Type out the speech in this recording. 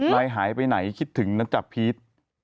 ไนหายไปไหนคิดถึงณจากพีท